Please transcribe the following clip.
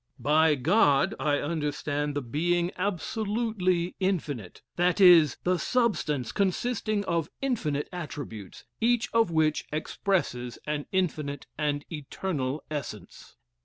By God I understand the being absolutely infinite; that is, the substance consisting of infinite attributes, each of which expresses an infinite and eternal essence.